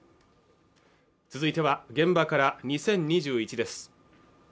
続いては「現場から、２０２１」です